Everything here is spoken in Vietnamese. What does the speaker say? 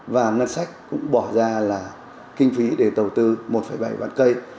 và ngân sách cũng bỏ ra là kinh phí để đầu tư một bảy vạn cây